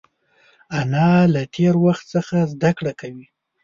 انا له تېر وخت څخه زده کړه کوي